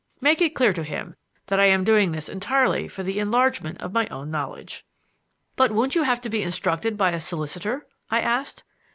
Make it clear to him that I am doing this entirely for the enlargement of my own knowledge." "But won't you have to be instructed by a solicitor?" I asked.